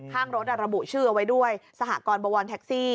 ข้างรถระบุชื่อเอาไว้ด้วยสหกรณ์บวรแท็กซี่